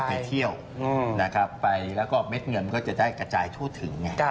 ไปเที่ยวนะครับไปแล้วก็เม็ดเงินก็จะได้กระจายทั่วถึงไง